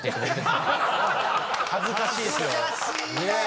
恥ずかしいっすよ。